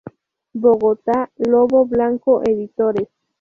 Bogotá: Lobo Blanco Editores.